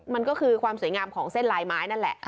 มันก็คือความสวยงามของเส้นลายไม้นั่นแหละ